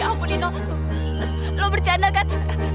ya ampun lino lo bercanda kan